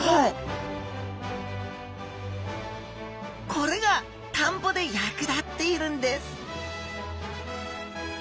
これが田んぼで役立っているんです